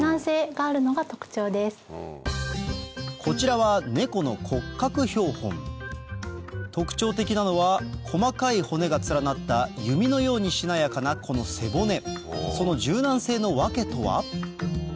こちらは特徴的なのは細かい骨が連なった弓のようにしなやかなこの背骨その柔軟性の訳とは？